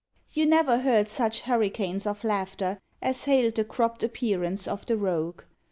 You never heard such hurricanes of laughter As hailed the cropped appearance of the rogue.